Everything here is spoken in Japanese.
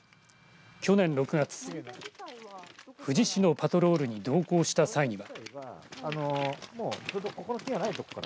去年６月富士市のパトロールに同行した際には。